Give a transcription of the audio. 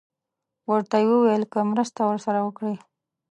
ورته یې وویل که مرسته ورسره وکړي.